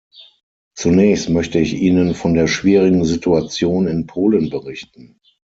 Zunächst möchte ich Ihnen von der schwierigen Situation in Polen berichten.